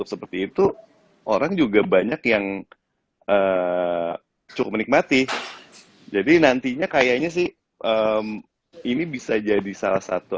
seperti itu orang juga banyak yang cukup menikmati jadi nantinya kayaknya sih ini bisa jadi salah satu